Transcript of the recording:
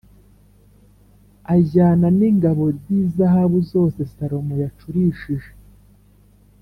ajyana n’ingabo z’izahabu zose Salomo yacurishije